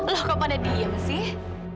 lo kok pada diem sih